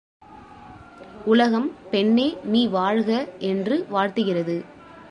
உலகம் பெண்ணே நீ வாழ்க என்று வாழ்த்துகிறது.